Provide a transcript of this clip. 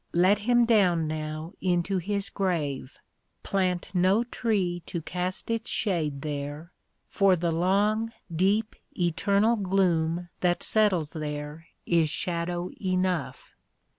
Let him down now into his grave. Plant no tree to cast its shade there, for the long, deep, eternal gloom that settles there is shadow enough.